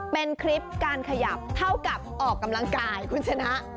เป็นคลิปการขยับเท่ากับออกกำลังกายคุณชนะ